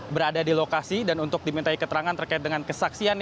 berada di lokasi dan untuk dimintai keterangan terkait dengan kesaksiannya